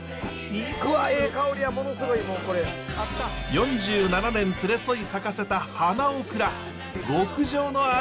４７年連れ添い咲かせた花オクラ極上の味。